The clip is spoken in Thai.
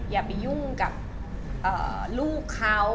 อย่าไปยุ่งกับลูกเขา